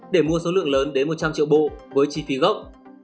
để mua số lượng lớn đến một trăm linh triệu bộ với chi phí gốc